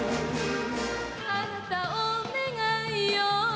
「あなたお願いよ